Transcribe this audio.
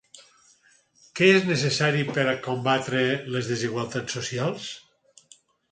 Què és necessari per combatre les desigualtats socials?